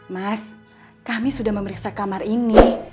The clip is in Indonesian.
mas kami sudah memeriksa kamar ini